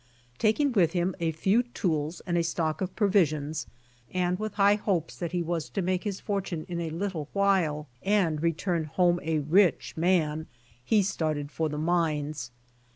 Taking with him a few tools and a stock of provisions and with high hopes that he was to make his fortune in a little while and return home a rich mjan, he started for the mines.